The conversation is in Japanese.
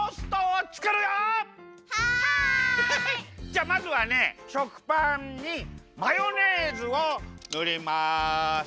じゃあまずはね食パンにマヨネーズをぬります。